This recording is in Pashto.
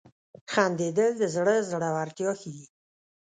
• خندېدل د زړه زړورتیا ښيي.